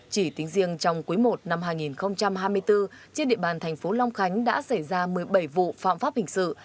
chỉ tính riêng trong quý i năm hai nghìn hai mươi bốn trên địa bàn thành phố long khánh đã xảy ra một mươi bảy vụ phạm pháp hình sự